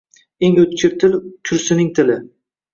Eng oʼtkir til kursining tili.